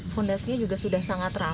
fondasinya juga sudah sangat rapuh ya